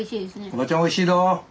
おばちゃんおいしいど。